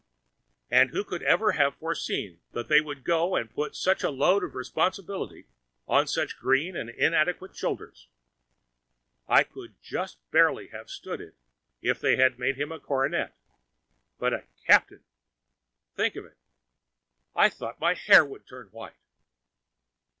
And who could ever have foreseen that they would go and put such a load of responsibility on such green and inadequate shoulders? I could just barely have stood it if they had made him a cornet; but a captain—think of it! I thought my hair would turn white.